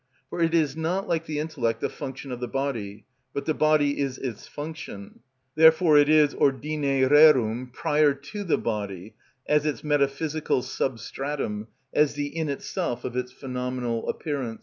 For it is not, like the intellect, a function of the body; but the body is its function; therefore it is, ordine rerum, prior to the body, as its metaphysical substratum, as the in itself of its phenomenal appearance.